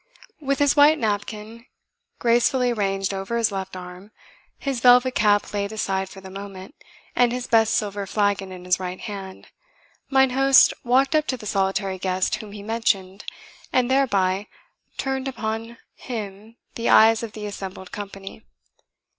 With his white napkin gracefully arranged over his left arm, his velvet cap laid aside for the moment, and his best silver flagon in his right hand, mine host walked up to the solitary guest whom he mentioned, and thereby turned upon him the eyes of the assembled company.